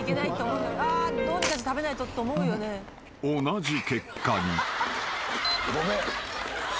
［同じ結果に］